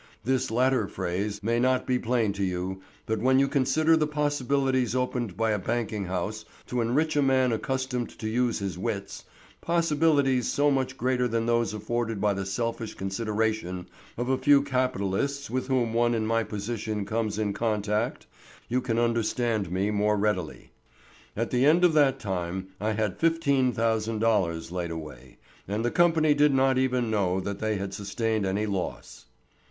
This latter phrase may not be plain to you, but when you consider the possibilities opened by a banking house to enrich a man accustomed to use his wits,—possibilities so much greater than those afforded by the selfish consideration of a few capitalists with whom one in my position comes in contact,—you can understand me more readily. At the end of that time I had fifteen thousand dollars laid away; and the company did not even know that they had sustained any loss.